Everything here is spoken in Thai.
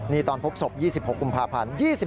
นี่ตอนพบศพ๒๖กุมภาพันธ์